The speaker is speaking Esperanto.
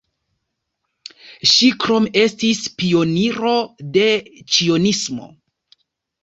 Ŝi krome estis pioniro de cionismo.